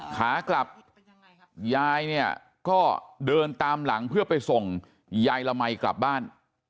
ขากลับยายเนี่ยก็เดินตามหลังเพื่อไปส่งยายละมัยกลับบ้าน